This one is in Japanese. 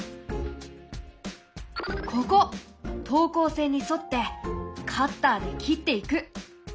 ここ等高線に沿ってカッターで切っていく！